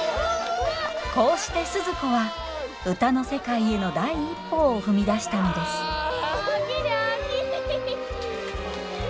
こうして鈴子は歌の世界への第一歩を踏み出したのですおおきにおおきに。